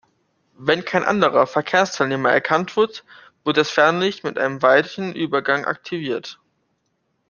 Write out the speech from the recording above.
Wenn kein anderer Verkehrsteilnehmer erkannt wird, wird das Fernlicht mit einem weichen Übergang aktiviert.